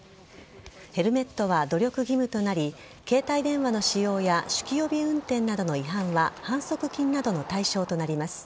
ヘルメットは努力義務となり携帯電話の使用や酒気帯び運転などの違反は反則金などの対象となります。